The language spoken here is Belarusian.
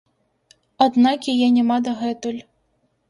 Аднак яе няма дагэтуль.